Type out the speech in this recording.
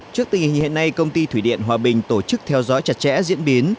trước tình hình hiện nay công ty thủy điện hòa bình tổ chức theo dõi chặt chẽ diễn biến